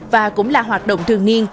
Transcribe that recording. và cũng là hoạt động thường niên